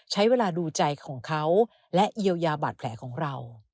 ใช้เวลาดูใจของเขาและเยียวยาบาดแผลของเรา